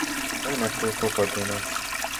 Пре неколико година.